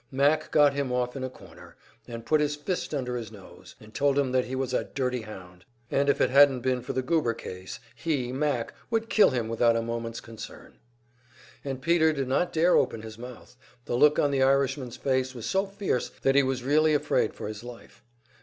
"Mac" got him off in a corner, and put his fist under his nose, and told him that he was "a dirty hound," and if it hadn't been for the Goober case, he, "Mac," would kill him without a moment's concern. And Peter did not dare open his mouth; the look on the Irishman's face was so fierce that he was really afraid for his life.